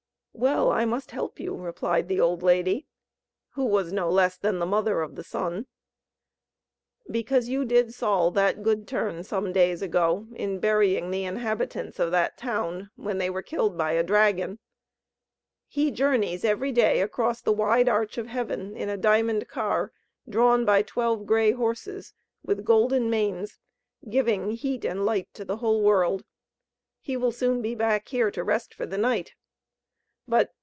"Well, I must help you," replied the old lady, who was no less than the Mother of the Sun, "because you did Sol that good turn some days ago, in burying the inhabitants of that town, when they were killed by a dragon. He journeys every day across the wide arch of heaven, in a diamond car, drawn by twelve grey horses, with golden manes, giving heat and light to the whole world. He will soon be back here, to rest for the night.... But